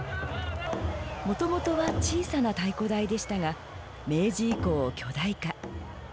もともとは小さな太鼓台でしたが明治以降巨大化。